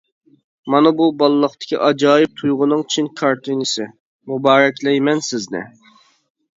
مانا بۇ بالىلىقتىكى ئاجايىپ تۇيغۇنىڭ چىن كارتىنىسى! مۇبارەكلەيمەن سىزنى!